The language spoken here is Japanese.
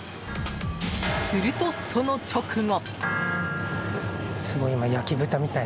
すると、その直後。